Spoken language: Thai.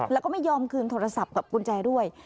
แล้วก็ไม่ยอมคืนโทรศัพท์กับกุญแจด้วย